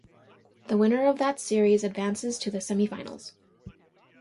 The winner of that series advances to the semifinals.